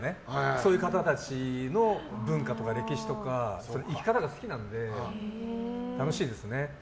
そういう方たちの文化とか歴史とか生き方が好きなので楽しいですね。